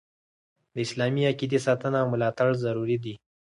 د اسلامي عقیدي ساتنه او ملاتړ ضروري دي.